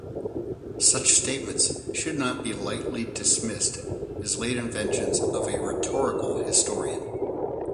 Such statements should not be lightly dismissed as late inventions of a rhetorical historian.